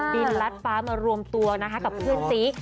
ลัดฟ้ามารวมตัวนะคะกับเพื่อนซี